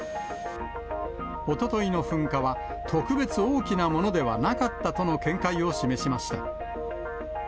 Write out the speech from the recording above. おとといの噴火は、特別大きなものではなかったとの見解を示しました。